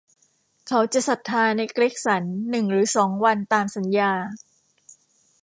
เขาจะศรัทธาในเกรกสันหนึ่งหรือสองวันตามสัญญา